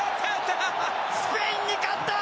スペインに勝った！